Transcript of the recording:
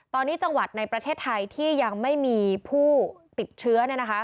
ตอนนี้จังหวัดในประเทศไทยที่ยังไม่มีผู้ติดเชื้อ